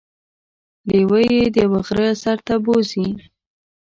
لیوه يې د یوه غره سر ته بوځي.